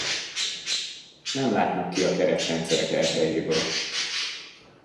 Nem látnak ki a keretrendszerek erdejéből.